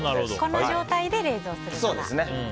この状態で冷蔵すると。